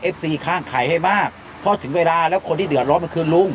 ข้างไข่ให้มากเพราะถึงเวลาแล้วคนที่เดือดร้อนมันคือลุง